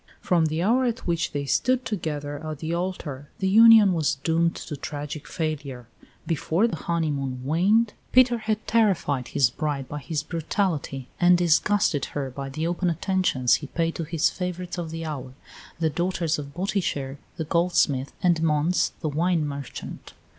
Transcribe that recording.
From the hour at which they stood together at the altar the union was doomed to tragic failure; before the honeymoon waned Peter had terrified his bride by his brutality and disgusted her by the open attentions he paid to his favourites of the hour, the daughters of Botticher, the goldsmith, and Mons, the wine merchant.